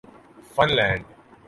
fun land